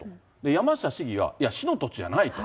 山下市議は、いや、市の土地じゃないと。